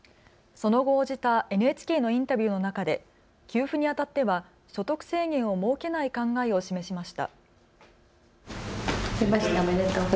その後、応じたＮＨＫのインタビューの中で給付にあたっては所得制限を設けない考えを示しました。